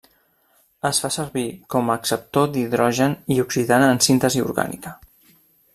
Es fa servir com acceptor d'hidrogen i oxidant en síntesi orgànica.